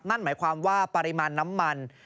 นั่นหมายความว่าปริมาณน้ำมัน